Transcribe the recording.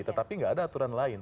tetapi nggak ada aturan lain